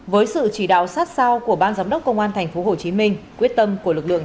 với sự chỉ đạo sát sao của ban giám đốc công an tp hcm quyết tâm của lực lượng